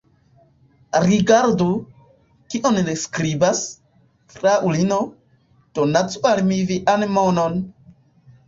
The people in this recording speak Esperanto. Rigardu, kion li skribas: Fraŭlino, donacu al mi vian monon!